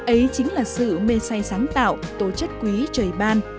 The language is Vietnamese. ấy chính là sự mê say sáng tạo tố chất quý trời ban